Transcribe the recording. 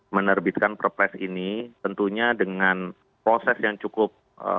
menerbitkan perpres ini tentunya dengan proses yang cukup